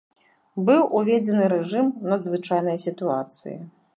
Быў уведзены рэжым надзвычайнай сітуацыі.